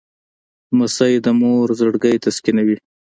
لمسی د مور زړګی تسکینوي.